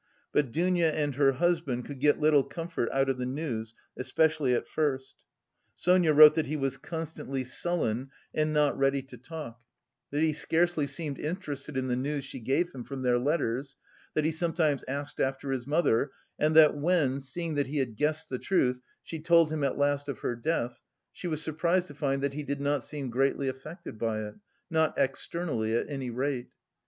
But Dounia and her husband could get little comfort out of the news, especially at first. Sonia wrote that he was constantly sullen and not ready to talk, that he scarcely seemed interested in the news she gave him from their letters, that he sometimes asked after his mother and that when, seeing that he had guessed the truth, she told him at last of her death, she was surprised to find that he did not seem greatly affected by it, not externally at any rate.